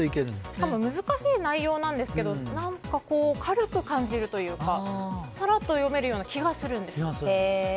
しかも難しい内容なんですが軽く感じるというかさらっと読めるような気がするんです。